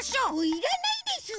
いらないです！